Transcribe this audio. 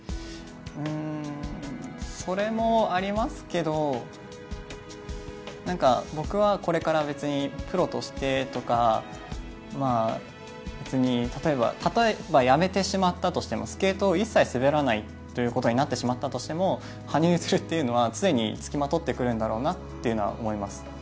それもありますけど、僕はこれから別にプロとしてとか、例えばやめてしまったとしても、スケートを一切滑らないということになってしまったとしても羽生結弦というのは常につきまとってくるんだろうなというのは思います。